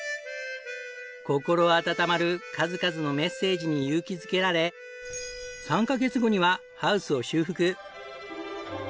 心温まる数々のメッセージに勇気づけられ３カ月後にはハウスを修復。